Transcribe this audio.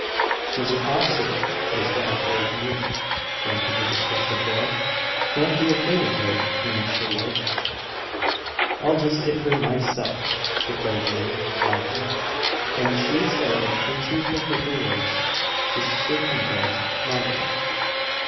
"She's as obstinate as dad's old mu el," grunted the disgusted boy. "Can't do a thing with her, Nan Sherwood." "I'll just get her myself!" declared Nan, laughing, and she started into the thicker woods to circumvent Margaret.